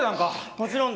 もちろんだよ。